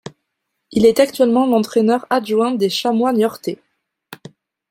Il est actuellement l'entraineur adjoint des Chamois Niortais.